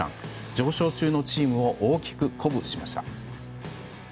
上昇中のチームを大きく鼓舞しました。